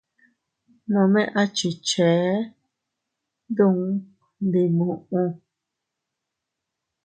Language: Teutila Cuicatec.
Nome a chichee duun ndi muʼu.